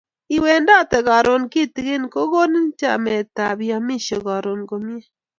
iwendate karon kitingin ko konin chamet ab iamishe karon komie